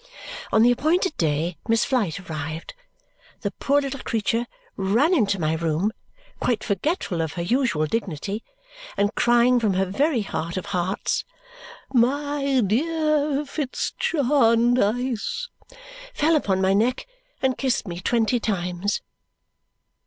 On the appointed day Miss Flite arrived. The poor little creature ran into my room quite forgetful of her usual dignity, and crying from her very heart of hearts, "My dear Fitz Jarndyce!" fell upon my neck and kissed me twenty times.